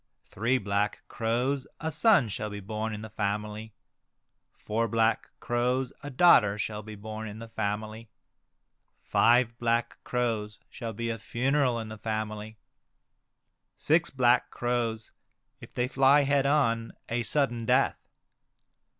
Three black crows, a son shall be born in the family. Four black crows, a daughter shall be born in the family. Five black crows shall be a funeral in the family. Six black crows, if they fly head on, a sudden death.